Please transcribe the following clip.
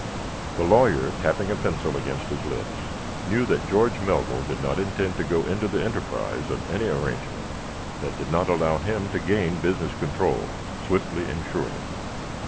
The lawyer, tapping a pencil against his lips, knew that George Melville did not intend to go into the enterprise on any arrangement that did not allow him to gain business control swiftly and surely.